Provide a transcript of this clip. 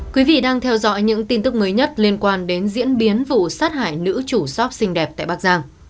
các bạn đang theo dõi những tin tức mới nhất liên quan đến diễn biến vụ sát hại nữ chủ sóc xinh đẹp tại bắc giang